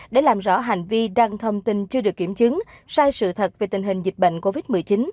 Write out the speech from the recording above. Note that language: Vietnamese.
để làm rõ hành vi đăng thông tin chưa được kiểm chứng sai sự thật về tình hình dịch bệnh covid một mươi chín